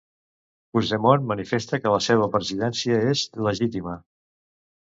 Puigdemont manifesta que la seva presidència és “legítima”.